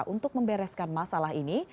untuk membereskan masalah ini